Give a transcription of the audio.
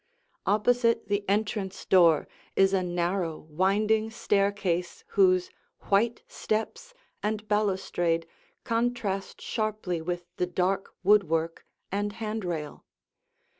Opposite the entrance door is a narrow, winding staircase whose white steps and balustrade contrast sharply with the dark woodwork and hand rail.